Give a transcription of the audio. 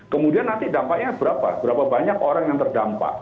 kemudian nanti dampaknya berapa berapa banyak orang yang terdampak